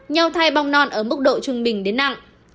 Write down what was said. nho thai bong non ở mức độ trung bình đến nặng